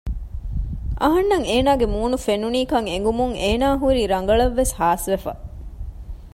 އަހަންނަށް އޭނާގެ މޫނު ފެނުނީކަން އެނގުމުން އޭނާ ހުރީ ރަނގަޅަށްވެސް ހާސްވެފަ